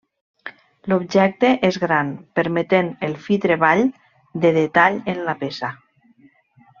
L'objecte és gran, permetent el fi treball de detall en la peça.